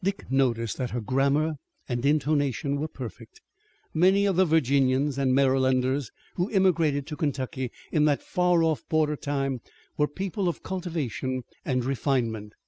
Dick noticed that her grammar and intonation were perfect. Many of the Virginians and Marylanders who emigrated to Kentucky in that far off border time were people of cultivation and refinement.